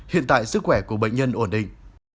hiện tại sức khỏe của bệnh nhân ổn định